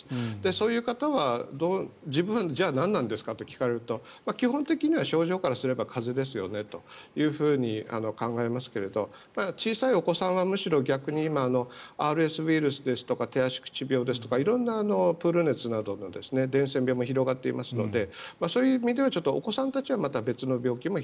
そういう方は自分、じゃあ何なんですかと聞かれると基本的には症状からすれば風邪ですよねというふうに考えますけれど小さいお子さんはむしろ逆に今、ＲＳウイルスとか手足口病ですとか色んなプール熱などの伝染病も広がっていますのでそういう意味ではお子さんたちはまた別の病気も